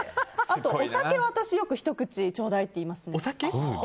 あと、お酒はよくひと口ちょうだいって言いますね。